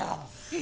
え？